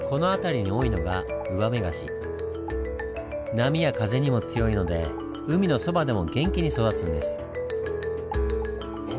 波や風にも強いので海のそばでも元気に育つんです。